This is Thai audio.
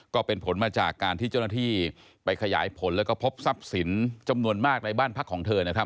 ก็เป็นผลมาจากการที่เจ้าหน้าที่ไปขยายผลและพบทรัพย์ศีลจำนวนมากในบ้านพรรคของเธอ